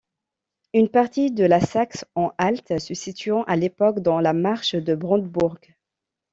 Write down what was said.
Une partie de la Saxe-Anhalt se situant à l'époque dans la marche de Brandebourg.